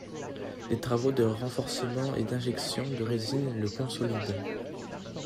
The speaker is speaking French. Des travaux de renforcement et d'injection de résine la consolident.